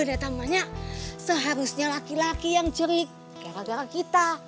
datang banyak seharusnya laki laki yang curik gara gara kita